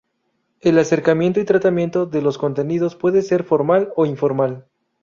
El acercamiento y tratamiento de los contenidos puede ser formal o informal.